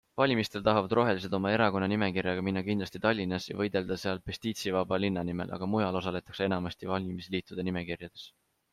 Valimistele tahavad rohelised oma erakonna nimekirjaga minna kindlasti Tallinnas ja võidelda seal pestiitsivaba linna nimel, aga mujal osaletakse enamasti valimisliitude nimekirjades.